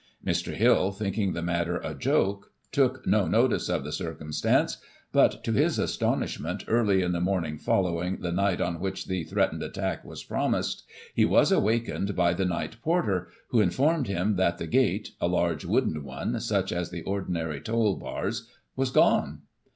Mr. Hill, thinking the matter a joke, took no notice of the circum stance ; but, to his astonishment, early in the morning follow ing the night on which the threatened attack was promised, he was awakened by the night porter, who informed him that the gate (a large wooden one, such as the ordinary toll bars) was gone.